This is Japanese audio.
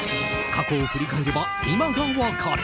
過去を振り返れば今が分かる。